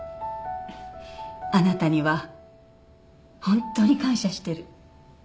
あなたにはホントに感謝してる。